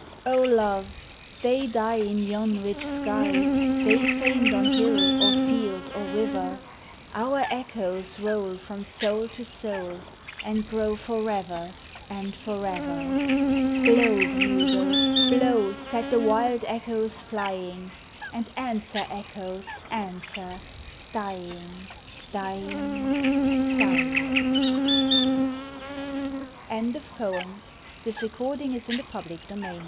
O love, they die in yon rich sky, They faint on hill or field or river; Our echoes roll from soul to soul, And grow forever and forever. Blow, bugle, blow, set the wild echoes flying, And answer, echoes, answer, dying, dying, dying ALFRED, LORD TENNYSON. INLAND WATERS: HIGHLANDS. 211 THE LA